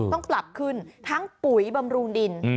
ต้องปรับขึ้นทั้งปุ๋ยบำรุงดิน